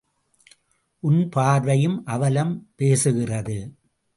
உன் பார்வையும் அவலம் பேசுகிறது.